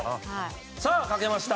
さあ書けました。